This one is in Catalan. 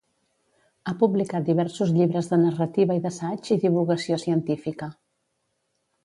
Ha publicat diversos llibres de narrativa i d'assaig i divulgació científica.